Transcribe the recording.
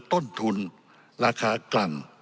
ต้นทุนราคากลั่ง